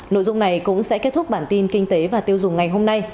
nội dung này cũng sẽ kết thúc bản tin kinh tế và tiêu dùng ngày hôm nay